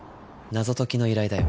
謎解きの依頼だよ。